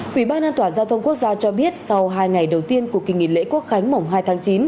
quỹ ban an toàn giao thông quốc gia cho biết sau hai ngày đầu tiên của kỳ nghỉ lễ quốc khánh mùng hai tháng chín